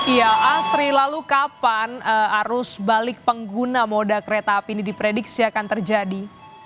iya asri lalu kapan arus balik pengguna moda kereta api ini diprediksi akan terjadi